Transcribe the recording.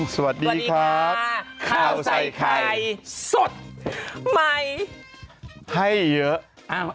สวัสดีครับข้าวใส่ไข่สดใหม่ให้เยอะ